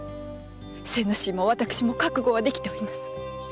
精之進も私も覚悟はできております。